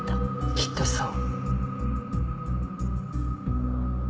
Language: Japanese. きっとそう。